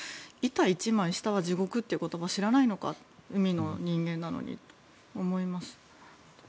板１枚下は地獄という言葉を知らないのか海の人間なのにって思います。